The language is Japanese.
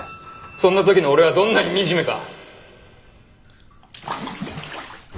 そんな時の俺はどんなに惨めか。